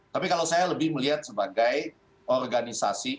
tapi kalau saya lebih melihat sebagai organisasi